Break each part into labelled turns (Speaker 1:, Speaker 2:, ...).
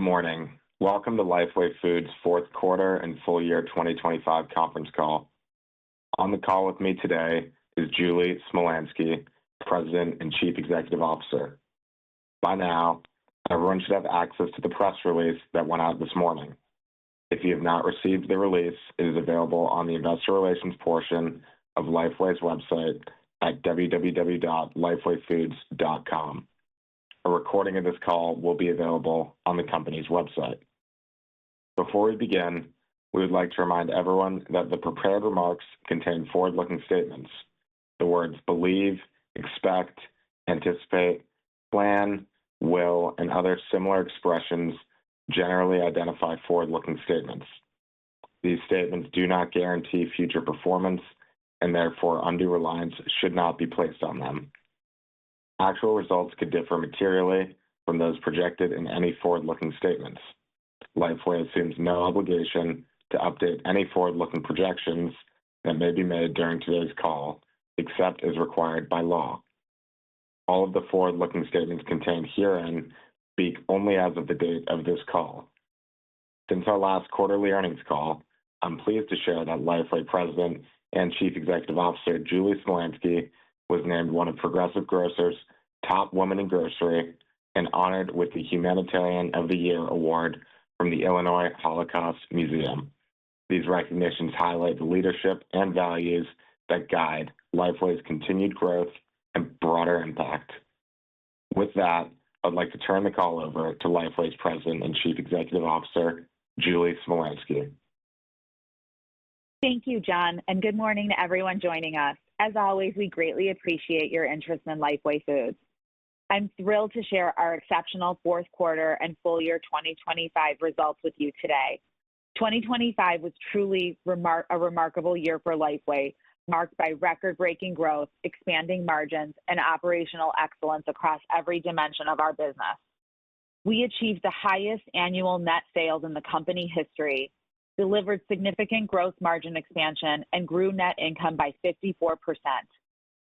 Speaker 1: Good morning. Welcome to Lifeway Foods' Fourth Quarter and Full Year 2025 Conference Call. On the call with me today is Julie Smolyansky, President and Chief Executive Officer. By now, everyone should have access to the press release that went out this morning. If you have not received the release, it is available on the investor relations portion of Lifeway's website at www.lifewayfoods.com. A recording of this call will be available on the company's website. Before we begin, we would like to remind everyone that the prepared remarks contain forward-looking statements. The words believe, expect, anticipate, plan, will, and other similar expressions generally identify forward-looking statements. These statements do not guarantee future performance, and therefore undue reliance should not be placed on them. Actual results could differ materially from those projected in any forward-looking statements. Lifeway assumes no obligation to update any forward-looking projections that may be made during today's call, except as required by law. All of the forward-looking statements contained herein speak only as of the date of this call. Since our last quarterly earnings call, I'm pleased to share that Lifeway President and Chief Executive Officer, Julie Smolyansky, was named one of Progressive Grocer's Top Women in Grocery and honored with the Humanitarian of the Year award from the Illinois Holocaust Museum. These recognitions highlight the leadership and values that guide Lifeway's continued growth and broader impact. With that, I'd like to turn the call over to Lifeway's President and Chief Executive Officer, Julie Smolyansky.
Speaker 2: Thank you, John, and good morning to everyone joining us. As always, we greatly appreciate your interest in Lifeway Foods. I'm thrilled to share our exceptional fourth quarter and full year 2025 results with you today. 2025 was truly a remarkable year for Lifeway, marked by record-breaking growth, expanding margins, and operational excellence across every dimension of our business. We achieved the highest annual net sales in the company history, delivered significant growth margin expansion, and grew net income by 54%.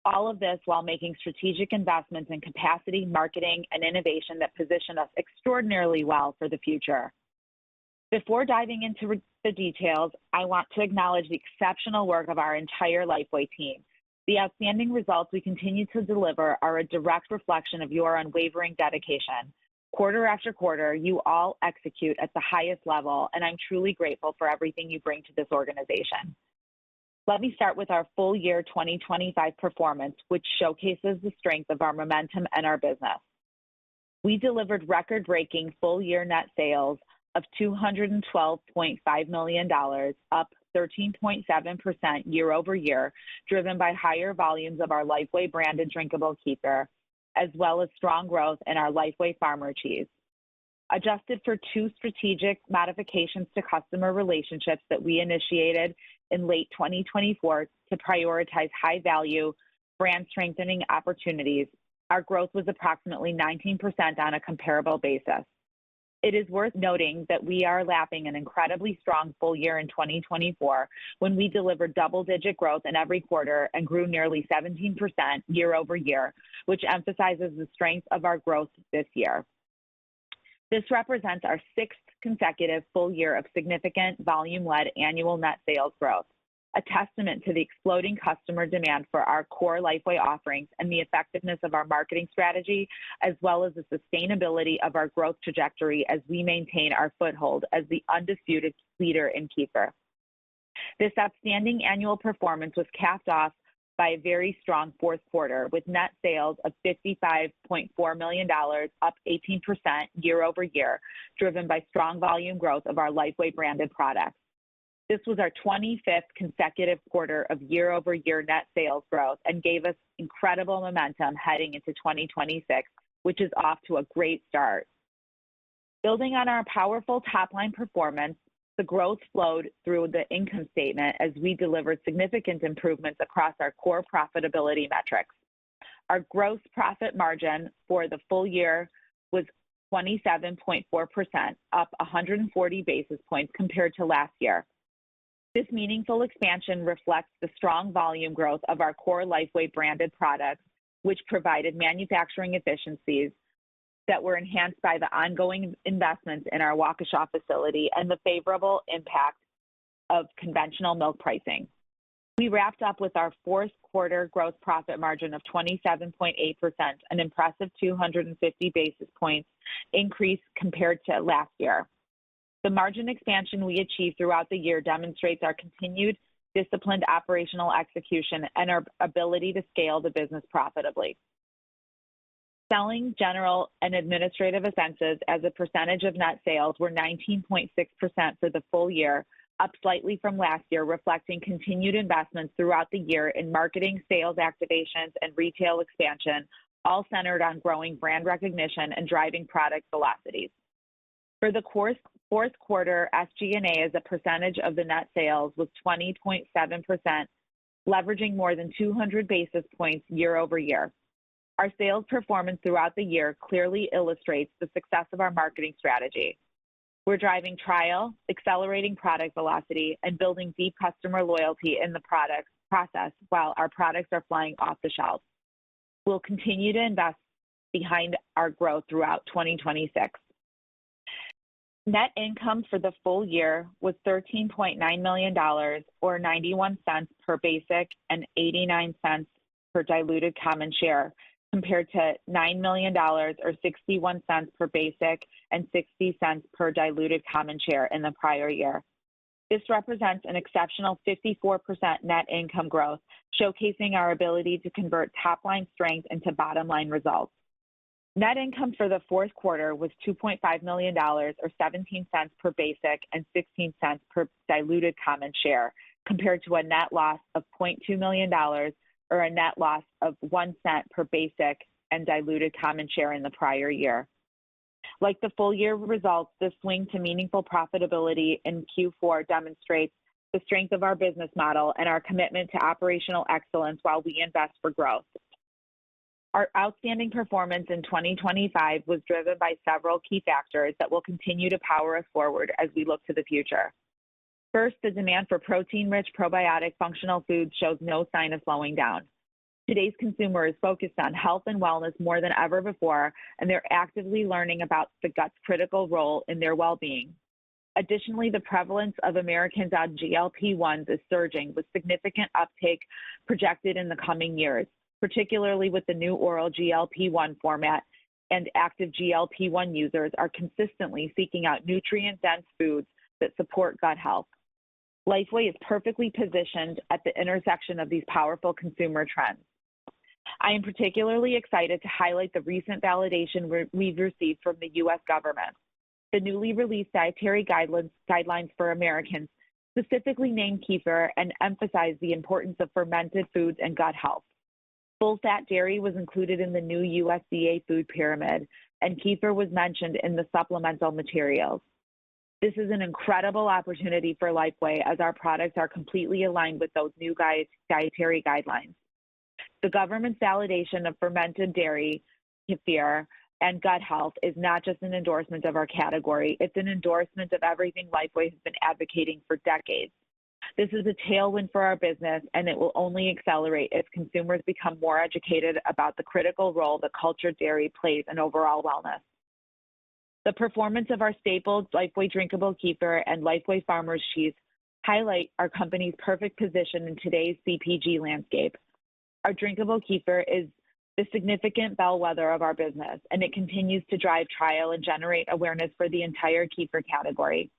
Speaker 2: All of this while making strategic investments in capacity, marketing, and innovation that position us extraordinarily well for the future. Before diving into the details, I want to acknowledge the exceptional work of our entire Lifeway team. The outstanding results we continue to deliver are a direct reflection of your unwavering dedication. Quarter-after-quarter, you all execute at the highest level, and I'm truly grateful for everything you bring to this organization. Let me start with our full year 2025 performance, which showcases the strength of our momentum and our business. We delivered record-breaking full year net sales of $212.5 million, up 13.7% year-over-year, driven by higher volumes of our Lifeway branded drinkable kefir, as well as strong growth in our Lifeway Farmer Cheese. Adjusted for two strategic modifications to customer relationships that we initiated in late 2024 to prioritize high-value brand strengthening opportunities, our growth was approximately 19% on a comparable basis. It is worth noting that we are lapping an incredibly strong full year in 2024 when we delivered double-digit growth in every quarter and grew nearly 17% year-over-year, which emphasizes the strength of our growth this year. This represents our sixth consecutive full year of significant volume-led annual net sales growth, a testament to the exploding customer demand for our core Lifeway offerings and the effectiveness of our marketing strategy, as well as the sustainability of our growth trajectory as we maintain our foothold as the undisputed leader in kefir. This outstanding annual performance was capped off by a very strong fourth quarter, with net sales of $55.4 million, up 18% year-over-year, driven by strong volume growth of our Lifeway-branded products. This was our 25th consecutive quarter of year-over-year net sales growth and gave us incredible momentum heading into 2026, which is off to a great start. Building on our powerful top-line performance, the growth flowed through the income statement as we delivered significant improvements across our core profitability metrics. Our gross profit margin for the full year was 27.4%, up 140 basis points compared to last year. This meaningful expansion reflects the strong volume growth of our core Lifeway-branded products, which provided manufacturing efficiencies that were enhanced by the ongoing investments in our Waukesha facility and the favorable impact of conventional milk pricing. We wrapped up with our fourth quarter gross profit margin of 27.8%, an impressive 250 basis points increase compared to last year. The margin expansion we achieved throughout the year demonstrates our continued disciplined operational execution and our ability to scale the business profitably. Selling, general, and administrative expenses as a percentage of net sales were 19.6% for the full year, up slightly from last year, reflecting continued investments throughout the year in marketing, sales activations, and retail expansion, all centered on growing brand recognition and driving product velocities. For the fourth quarter, SG&A, as a percentage of the net sales, was 20.7%, leveraging more than 200 basis points year-over-year. Our sales performance throughout the year clearly illustrates the success of our marketing strategy. We're driving trial, accelerating product velocity, and building deep customer loyalty in the process while our products are flying off the shelves. We'll continue to invest behind our growth throughout 2026. Net income for the full year was $13.9 million or $0.91 per basic and $0.89 per diluted common share, compared to $9 million or $0.61 per basic and $0.60 per diluted common share in the prior year. This represents an exceptional 54% net income growth, showcasing our ability to convert top-line strength into bottom-line results. Net income for the fourth quarter was $2.5 million or $0.17 per basic and $0.16 per diluted common share, compared to a net loss of $0.2 million or a net loss of $0.01 per basic and diluted common share in the prior year. Like the full-year results, the swing to meaningful profitability in Q4 demonstrates the strength of our business model and our commitment to operational excellence while we invest for growth. Our outstanding performance in 2025 was driven by several key factors that will continue to power us forward as we look to the future. First, the demand for protein-rich probiotic functional foods shows no sign of slowing down. Today's consumer is focused on health and wellness more than ever before, and they're actively learning about the gut's critical role in their well-being. Additionally, the prevalence of Americans on GLP-1s is surging, with significant uptake projected in the coming years, particularly with the new oral GLP-1 format, and active GLP-1 users are consistently seeking out nutrient-dense foods that support gut health. Lifeway is perfectly positioned at the intersection of these powerful consumer trends. I am particularly excited to highlight the recent validation we've received from the U.S. government. The newly released Dietary Guidelines for Americans specifically name kefir and emphasize the importance of fermented foods and gut health. Full-fat dairy was included in the new USDA food pyramid, and kefir was mentioned in the supplemental materials. This is an incredible opportunity for Lifeway as our products are completely aligned with those new dietary guidelines. The government's validation of fermented dairy, kefir, and gut health is not just an endorsement of our category, it's an endorsement of everything Lifeway has been advocating for decades. This is a tailwind for our business, and it will only accelerate as consumers become more educated about the critical role that cultured dairy plays in overall wellness. The performance of our staples, Lifeway Drinkable Kefir and Lifeway Farmer Cheese, highlight our company's perfect position in today's CPG landscape. Our Drinkable Kefir is the significant bellwether of our business, and it continues to drive trial and generate awareness for the entire kefir category.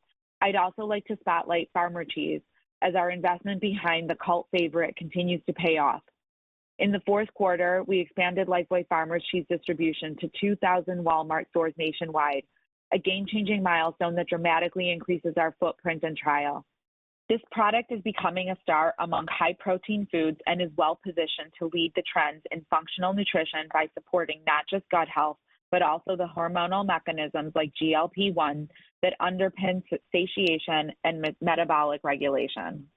Speaker 2: I'd also like to spotlight Farmer Cheese as our investment behind the cult favorite continues to pay off. In the fourth quarter, we expanded Lifeway Farmer Cheese distribution to 2,000 Walmart stores nationwide, a game-changing milestone that dramatically increases our footprint and trial. This product is becoming a star among high-protein foods and is well-positioned to lead the trends in functional nutrition by supporting not just gut health, but also the hormonal mechanisms like GLP-1 that underpin satiety and metabolic regulation.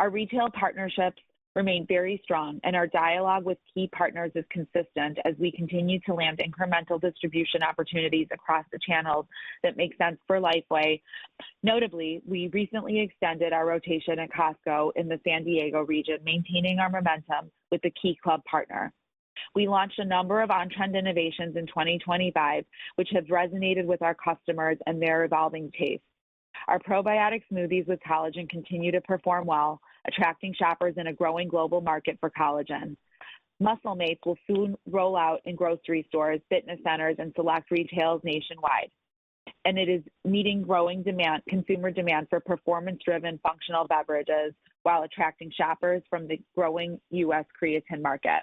Speaker 2: Our retail partnerships remain very strong, and our dialogue with key partners is consistent as we continue to land incremental distribution opportunities across the channels that make sense for Lifeway. Notably, we recently extended our rotation at Costco in the San Diego region, maintaining our momentum with a key club partner. We launched a number of on-trend innovations in 2025, which have resonated with our customers and their evolving tastes. Our probiotic smoothies with collagen continue to perform well, attracting shoppers in a growing global market for collagen. Muscle Mates will soon roll out in grocery stores, fitness centers, and select retailers nationwide, and it is meeting growing demand, consumer demand for performance-driven functional beverages while attracting shoppers from the growing U.S. creatine market.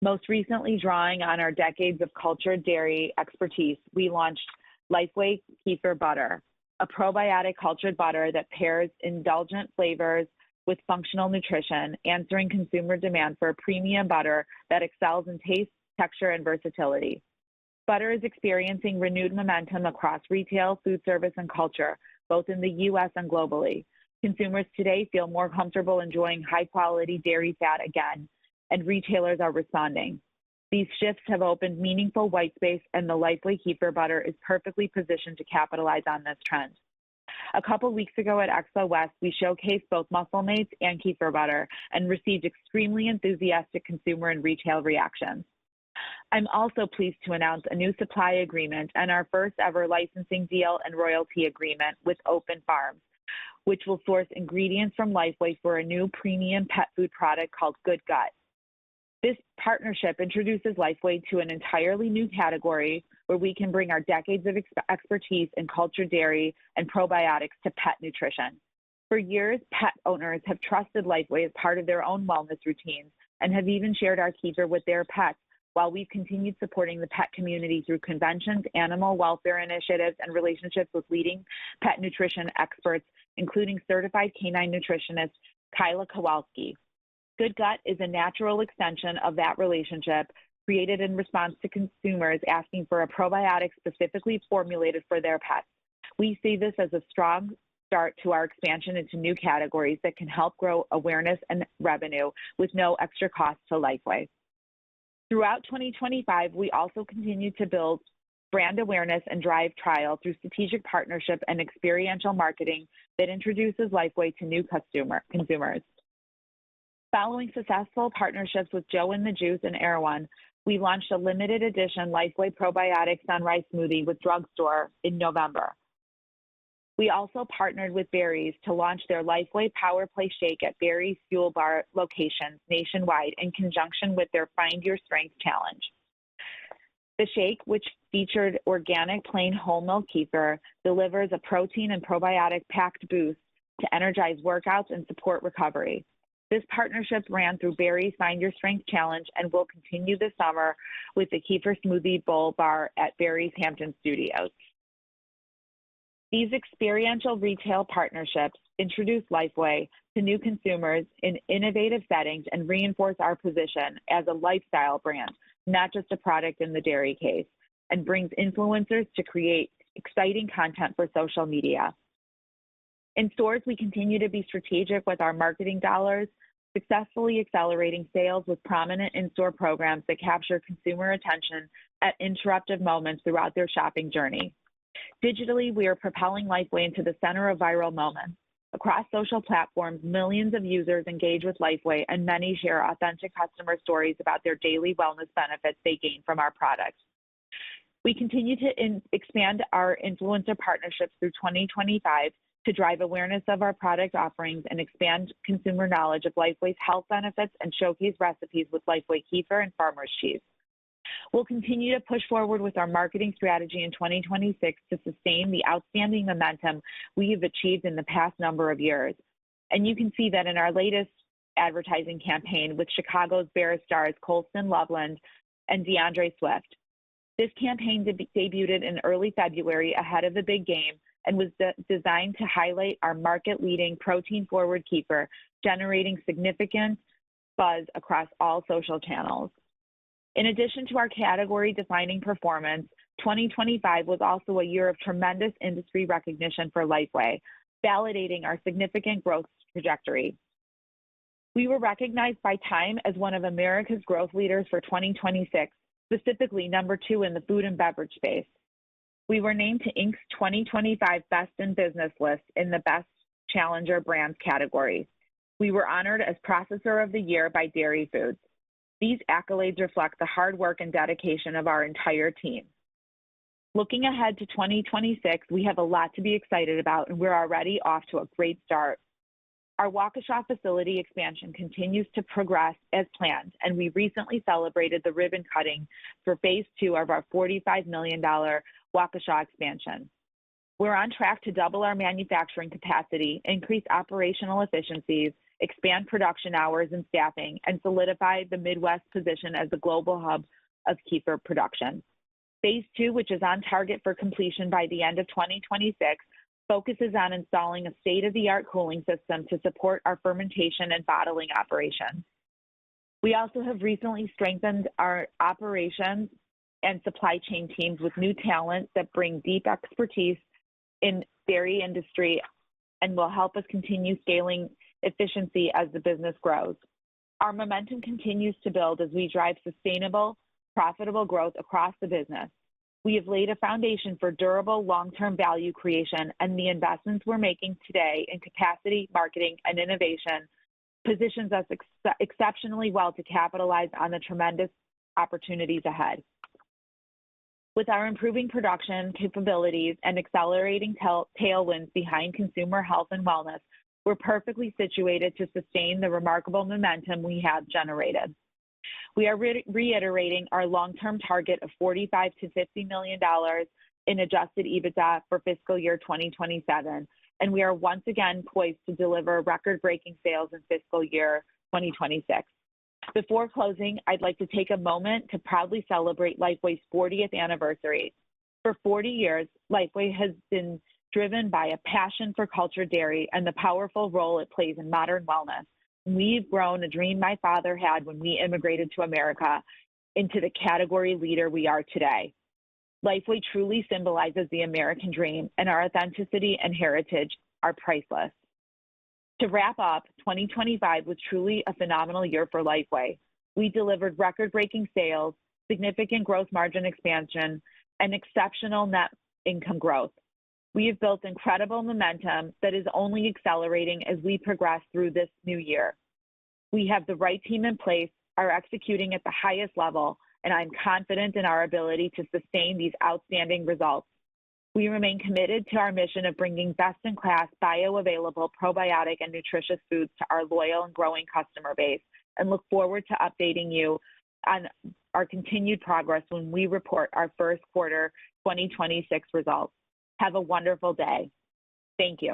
Speaker 2: Most recently, drawing on our decades of cultured dairy expertise, we launched Lifeway Kefir Butter, a probiotic cultured butter that pairs indulgent flavors with functional nutrition, answering consumer demand for a premium butter that excels in taste, texture, and versatility. Butter is experiencing renewed momentum across retail, food service, and culture, both in the U.S. and globally. Consumers today feel more comfortable enjoying high-quality dairy fat again, and retailers are responding. These shifts have opened meaningful white space, and the Lifeway Kefir Butter is perfectly positioned to capitalize on this trend. A couple weeks ago at Expo West, we showcased both Muscle Mates and Kefir Butter and received extremely enthusiastic consumer and retail reactions. I'm also pleased to announce a new supply agreement and our first-ever licensing deal and royalty agreement with Open Farm, which will source ingredients from Lifeway for a new premium pet food product called GoodGut. This partnership introduces Lifeway to an entirely new category where we can bring our decades of expertise in cultured dairy and probiotics to pet nutrition. For years, pet owners have trusted Lifeway as part of their own wellness routines and have even shared our kefir with their pets while we've continued supporting the pet community through conventions, animal welfare initiatives, and relationships with leading pet nutrition experts, including certified canine nutritionist Kyla Kowalski. GoodGut is a natural extension of that relationship, created in response to consumers asking for a probiotic specifically formulated for their pets. We see this as a strong start to our expansion into new categories that can help grow awareness and revenue with no extra cost to Lifeway. Throughout 2025, we also continued to build brand awareness and drive trial through strategic partnership and experiential marketing that introduces Lifeway to new consumers. Following successful partnerships with Joe & the Juice and Erewhon, we launched a limited edition Lifeway Probiotic Sunrise Smoothie with Drugstore in November. We also partnered with Barry's to launch their Lifeway Power Play Shake at Barry's Fuel Bar locations nationwide in conjunction with their Find Your Strength challenge. The shake, which featured organic plain whole milk kefir, delivers a protein and probiotic-packed boost to energize workouts and support recovery. This partnership ran through Barry's Find Your Strength challenge and will continue this summer with the kefir smoothie bowl bar at Barry's Hamptons Studios. These experiential retail partnerships introduce Lifeway to new consumers in innovative settings and reinforce our position as a lifestyle brand, not just a product in the dairy case, and brings influencers to create exciting content for social media. In stores, we continue to be strategic with our marketing dollars, successfully accelerating sales with prominent in-store programs that capture consumer attention at interruptive moments throughout their shopping journey. Digitally, we are propelling Lifeway into the center of viral moments. Across social platforms, millions of users engage with Lifeway, and many share authentic customer stories about their daily wellness benefits they gain from our products. We continue to expand our influencer partnerships through 2025 to drive awareness of our product offerings and expand consumer knowledge of Lifeway's health benefits and showcase recipes with Lifeway Kefir and Farmer Cheese. We'll continue to push forward with our marketing strategy in 2026 to sustain the outstanding momentum we have achieved in the past number of years. You can see that in our latest advertising campaign with Chicago Bears stars Colston Loveland and D'Andre Swift. This campaign debuted in early February ahead of the big game and was designed to highlight our market-leading protein-forward kefir, generating significant buzz across all social channels. In addition to our category-defining performance, 2025 was also a year of tremendous industry recognition for Lifeway, validating our significant growth trajectory. We were recognized by Time as one of America's growth leaders for 2026, specifically number tqo in the food and beverage space. We were named to Inc.'s 2025 Best in Business list in the Best Challenger Brands category. We were honored as Processor of the Year by Dairy Foods. These accolades reflect the hard work and dedication of our entire team. Looking ahead to 2026, we have a lot to be excited about, and we're already off to a great start. Our Waukesha facility expansion continues to progress as planned, and we recently celebrated the ribbon cutting for phase II of our $45 million Waukesha expansion. We're on track to double our manufacturing capacity, increase operational efficiencies, expand production hours and staffing, and solidify the Midwest position as the global hub of kefir production. Phase UU, which is on target for completion by the end of 2026, focuses on installing a state-of-the-art cooling system to support our fermentation and bottling operations. We also have recently strengthened our operations and supply chain teams with new talent that bring deep expertise in dairy industry and will help us continue scaling efficiency as the business grows. Our momentum continues to build as we drive sustainable, profitable growth across the business. We have laid a foundation for durable long-term value creation, and the investments we're making today in capacity, marketing, and innovation positions us exceptionally well to capitalize on the tremendous opportunities ahead. With our improving production capabilities and accelerating tailwinds behind consumer health and wellness, we're perfectly situated to sustain the remarkable momentum we have generated. We are reiterating our long-term target of $45-$50 million in Adjusted EBITDA for fiscal year 2027, and we are once again poised to deliver record-breaking sales in fiscal year 2026. Before closing, I'd like to take a moment to proudly celebrate Lifeway's 40th anniversary. For 40 years, Lifeway has been driven by a passion for cultured dairy and the powerful role it plays in modern wellness. We've grown a dream my father had when we immigrated to America into the category leader we are today. Lifeway truly symbolizes the American dream, and our authenticity and heritage are priceless. To wrap up, 2025 was truly a phenomenal year for Lifeway. We delivered record-breaking sales, significant growth margin expansion, and exceptional net income growth. We have built incredible momentum that is only accelerating as we progress through this new year. We have the right team in place, are executing at the highest level, and I'm confident in our ability to sustain these outstanding results. We remain committed to our mission of bringing best-in-class, bioavailable probiotic and nutritious foods to our loyal and growing customer base and look forward to updating you on our continued progress when we report our first quarter 2026 results. Have a wonderful day. Thank you.